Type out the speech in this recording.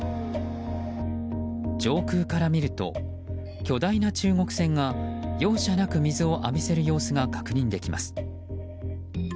上空から見ると、巨大な中国船が容赦なく水を浴びせる様子が確認できます。